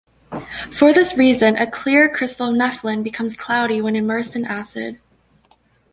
For this reason, a clear crystal of nepheline becomes cloudy when immersed in acid.